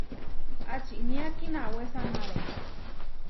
¿Ačinía kinawésanare?